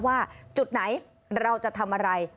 ว่าจุดไหนและที่เราจะทำอะไร